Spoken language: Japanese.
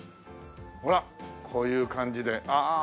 ほらこういう感じで。